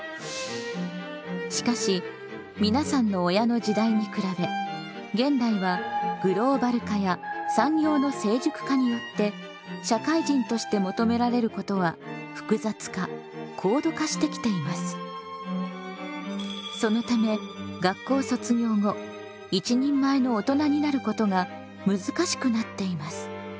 しかし皆さんの親の時代に比べ現代はグローバル化や産業の成熟化によって社会人として求められることは複雑化高度化してきています。そのため学校卒業後「一人前の大人」になることが難しくなっています。